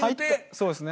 そうですね。